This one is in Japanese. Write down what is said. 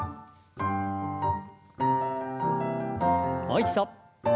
もう一度。